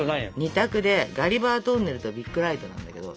２択で「ガリバートンネル」と「ビッグライト」なんだけど。